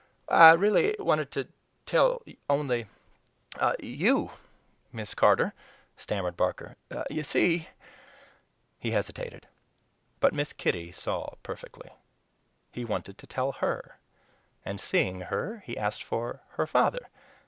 "I really wanted to tell only YOU, Miss Carter," stammered Barker. "You see " he hesitated. But Miss Kitty saw perfectly. He wanted to tell HER, and, seeing her, he asked for HER FATHER!